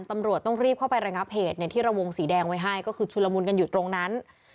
ตำรวจต้องรีบเข้าไประงับเหตุที่เราวงสีแดงไว้ให้ก็คือชุลมุนกันอยู่ตรงนั้น